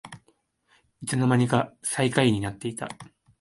いつのまにか最下位になってた